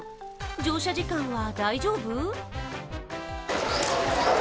乗車時間は大丈夫？